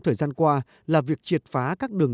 thời gian qua là việc triệt phá các đường